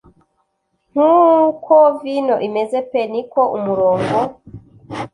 Nkuko vino imeze pe niko umurongo